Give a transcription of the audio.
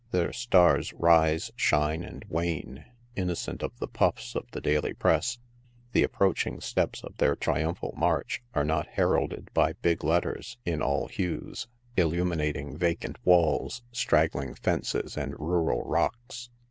Their " stars" rise, shine and wane, innocent of the " puffs" of the daily press 5 the approaching steps of their triumphal march are not heralded by big letters, in all hues, illuminating vacant walls, strag gling fences and rural rocks.